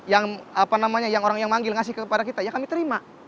yang apa namanya yang orang yang manggil ngasih kepada kita ya kami terima